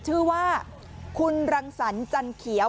ชื่อว่าคุณรังสรรจันเขียว